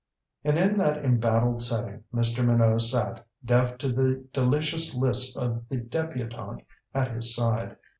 And in that embattled setting Mr. Minot sat, deaf to the delicious lisp of the debutante at his side.